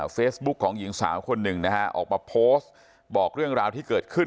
เฟซบุ๊คของหญิงสาวคนหนึ่งนะฮะออกมาโพสต์บอกเรื่องราวที่เกิดขึ้น